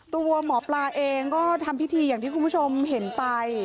ตัวหมอปลาเองก็ทำพิธีอย่างที่คุณผู้ชมเห็นไป